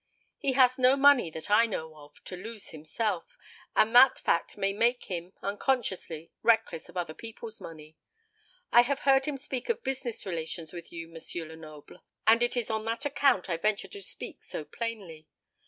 He has no money, that I know of, to lose himself, and that fact may make him, unconsciously, reckless of other people's money. I have heard him speak of business relations with you, M. Lenoble, and it is on that account I venture to speak so plainly.